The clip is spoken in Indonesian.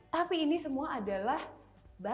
tapi ini semua adalah bahasa